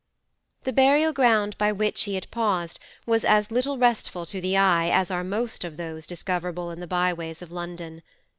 The burial ground by which he had paused was as little restful to the eye as are most of those discoverable in the byways of London.